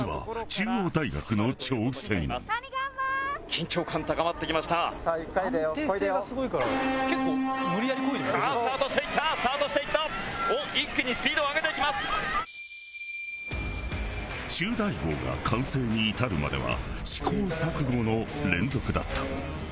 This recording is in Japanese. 中大号が完成に至るまでは試行錯誤の連続だった。